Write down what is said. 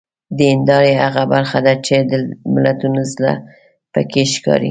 د هیندارې هغه برخه ده چې د ملتونو زړه پکې ښکاري.